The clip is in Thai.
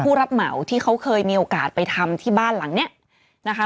รับเหมาที่เขาเคยมีโอกาสไปทำที่บ้านหลังเนี้ยนะคะ